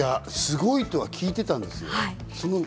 すごいとは聞いてたんですよ。